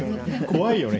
怖いよね。